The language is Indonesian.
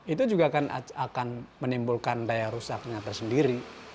itu juga akan menimbulkan daya rusaknya tersendiri